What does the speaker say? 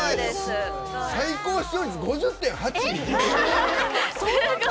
最高視聴率５０．８！のＭＣ！